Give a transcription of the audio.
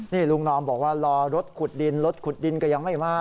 นี่ลุงนอมบอกว่ารอรถขุดดินรถขุดดินก็ยังไม่มา